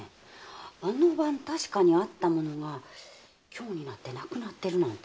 あの晩確かにあったものが今日になってなくなってるなんてねえ。